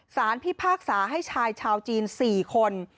พิพากษาให้ชายชาวจีน๔คน